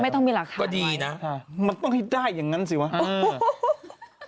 ไม่ต้องมีหลักฐานไว้ใช่มันต้องให้ได้อย่างนั้นสิวะอืม